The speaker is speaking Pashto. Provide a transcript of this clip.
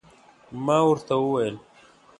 ما ورته وویل